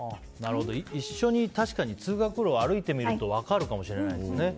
一緒に通学路を歩いてみると分かるかもしれないですね。